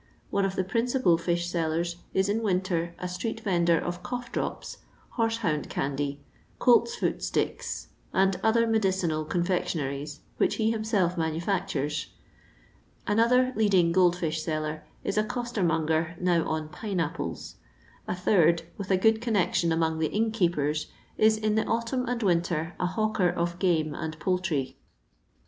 One of the principal fish sellers is in winter a stree^vendor of cough drops, hore hound candy, coltsfoot sticks, and other medicinal confectionaries, which he himself manufactures. Another leading gold fish seller is a costermongcr now "on pine apples." A third, "with a good connection among the innkeepers/* is in the autumn and winter a hawker of game and poultry.